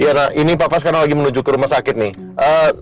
iya nah ini papa sekarang lagi menuju ke rumah sakit nih